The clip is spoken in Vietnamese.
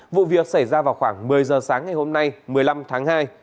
vụ việc xảy ra vào khoảng một mươi giờ sáng ngày hôm nay một mươi năm tháng hai